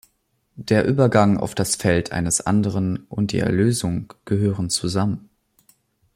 Der Übergang auf das Feld eines anderen und die Erlösung gehören zusammen.